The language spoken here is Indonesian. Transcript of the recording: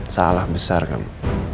salah besar kamu